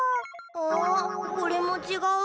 あこれもちがう？